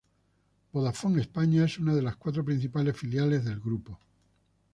Vodafone España es una de las cuatro principales filiales del Grupo.